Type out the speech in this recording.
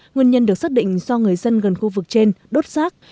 nguyên nhân được xác định do người dân gần khu vực trên đốt rác